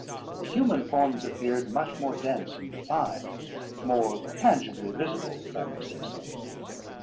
The human forms appeared much more dense and defined; more tangibly visible, if I may say so.